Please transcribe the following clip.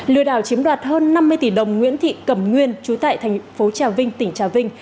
lừa đảo chiếm đoạt hơn năm mươi tỷ đồng nguyễn thị cẩm nguyên chú tại thành phố trà vinh tỉnh trà vinh